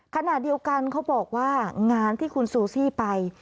ขณะเดียวกันเขาบอกว่างานที่คุณซูซี่ไป